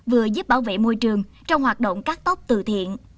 vừa giúp bảo vệ môi trường trong hoạt động cắt tóc từ thiện